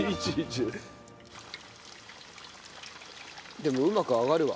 でもうまく揚がるわ。